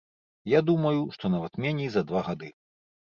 Я думаю, што нават меней за два гады.